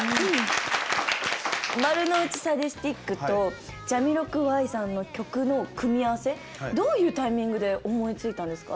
「丸ノ内サディスティック」とジャミロクワイさんの曲の組み合わせどういうタイミングで思いついたんですか？